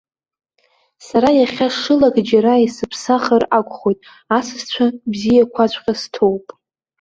Сара иахьа шылак џьара исыԥсахыр акәхоит, асасцәа бзиақәаҵәҟьа сҭоуп.